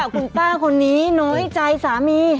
คุณป้าคนนี้น้อยใจสามี